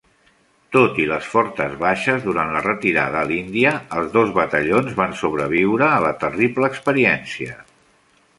Tot i les fortes baixes durant la retirada a l'Índia, els dos batallons van sobreviure a la terrible experiència.